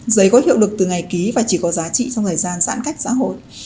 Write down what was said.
giấy có hiệu lực từ ngày ký và chỉ có giá trị trong thời gian giãn cách xã hội